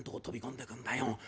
飛び込んでくんだよ！